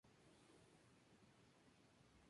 Esta órbita coincide en su apogeo con la órbita final.